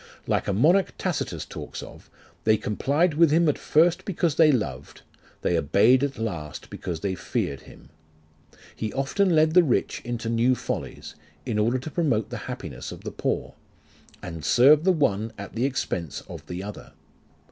Like a monarch Tacitus talks of, they complied with him at first because they loved, they obeyed at last because they feared him. He often led the rich into new follies, in order to promote the happiness of the poor, and served the one at the expense of the other.